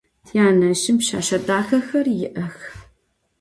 Tyaneşşım pşseşse daxexer yi'ex.